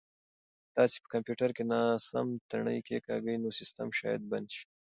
که تاسي په کمپیوټر کې ناسم تڼۍ کېکاږئ نو سیسټم شاید بند شي.